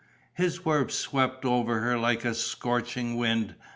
His words swept over her like a scorching wind.